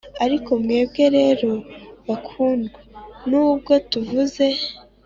Ariko mwebwe rero bakundwa nubwo tuvuze